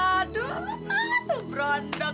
aduh matel berondong